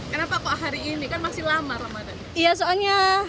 kenapa kok hari ini kan masih lama ramadan